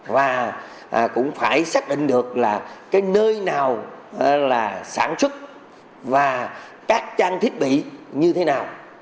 và cũng phải xác định được là cái nơi nào là sản xuất và các trang thiết bị như thế nào